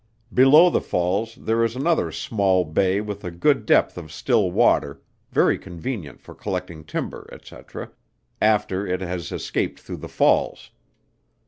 Below the falls there is another small bay with a good depth of still water, very convenient for collecting timber, &c. after it has escaped through the falls.